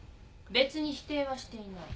別に否定はしていない。